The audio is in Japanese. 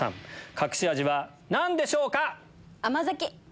隠し味は何でしょうか？